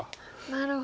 なるほど。